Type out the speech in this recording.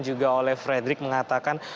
juga oleh frederick mengatakan